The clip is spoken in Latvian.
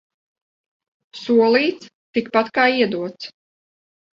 Solīts – tikpat kā iedots.